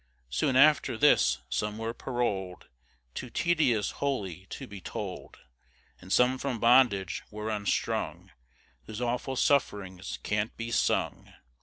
Soon after this some were parol'd, Too tedious wholly to be told; And some from bondage were unstrung, Whose awful sufferings can't be sung.